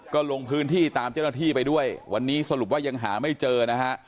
ก็ลงพื้นที่ตามเจ้าหน้าที่ไปด้วยวันนี้สรุปว่ายังหาไม่เจอนะฮะ